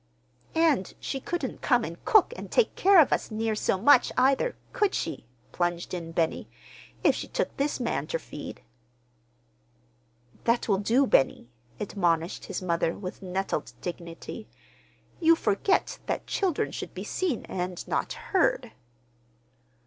"And she couldn't come and cook and take care of us near so much, either, could she," plunged in Benny, "if she took this man ter feed?" "That will do, Benny," admonished his mother, with nettled dignity. "You forget that children should be seen and not heard."